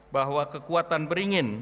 bahwa kekuatan beringin